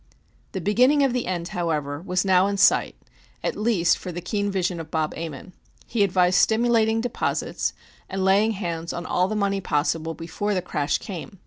The beginning of the end, however, was now in sight at least for the keen vision of Bob Ammon. He advised stimulating deposits and laying hands on all the money possible before the crash came.